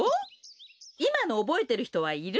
いまのおぼえてるひとはいる？